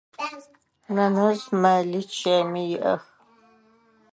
Нэнэжъ мэли чэми иӏэх.